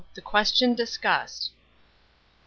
THE QUESTION DISCUSSED. Rev.